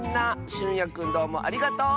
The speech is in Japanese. しゅんやくんどうもありがとう！